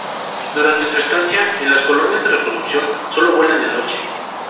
Durante su estancia en las colonias de reproducción sólo vuelan de noche.